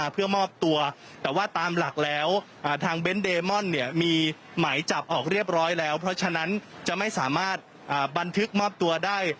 เพราะฉะนั้นจะไม่สามารถบันทึกมอบตัวได้